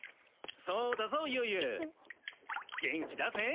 そうだぞユウユ元気出せ！